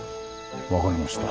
分かりました。